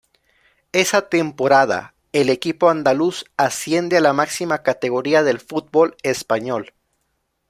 Esa temporada, el equipo andaluz asciende a la máxima categoría del fútbol español.